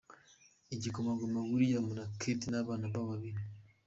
Igikomangoma William na Kate n’ abana babo babiri.